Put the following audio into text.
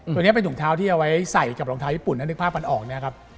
ตัวนี้เป็นถุงเท้าที่เอาไว้ใส่กับรองเท้าญี่ปุ่นถ้านึกภาพกันออกเนี่ยครับ